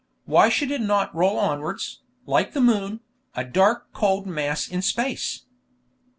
Why should it not roll onwards, like the moon, a dark cold mass in space?